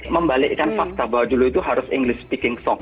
membalikkan pasta bahwa dulu itu harus english speaking song